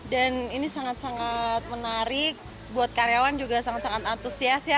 dan ini sangat sangat menarik buat karyawan juga sangat sangat antusias ya